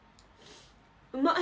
うまっ！